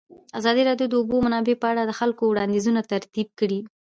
ازادي راډیو د د اوبو منابع په اړه د خلکو وړاندیزونه ترتیب کړي.